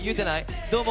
どうも！